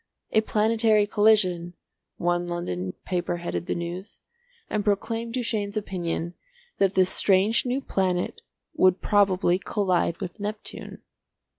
"A Planetary Collision," one London paper headed the news, and proclaimed Duchaine's opinion that this strange new planet would probably collide with Neptune.